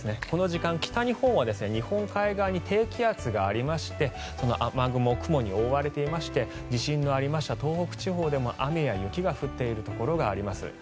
この時間、北日本は日本海側に低気圧がありまして雨雲、雲に覆われていまして地震がありました東北地方でも雨や雪が降っているところがあります。